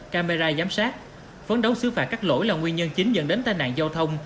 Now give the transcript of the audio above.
camera giám sát phấn đấu xứ phạt các lỗi là nguyên nhân chính dẫn đến tai nạn giao thông